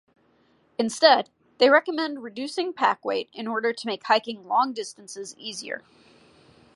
Instead, they recommend reducing pack weight, in order to make hiking long distances easier.